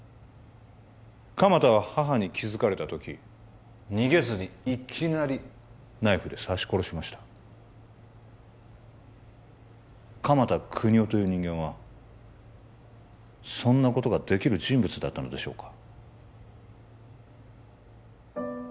鎌田は母に気づかれた時逃げずにいきなりナイフで刺し殺しました鎌田國士という人間はそんなことができる人物だったのでしょうか？